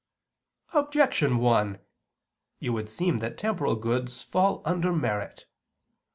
Objection 1: It would seem that temporal goods fall under merit.